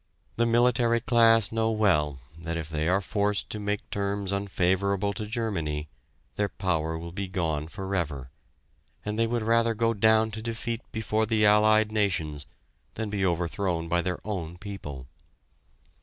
The military class know well that if they are forced to make terms unfavorable to Germany, their power will be gone forever, and they would rather go down to defeat before the Allied nations than be overthrown by their own people.